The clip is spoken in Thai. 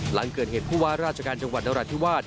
หลังเกิดเหตุผู้ว่าราชการจังหวัดนราธิวาส